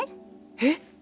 えっ！？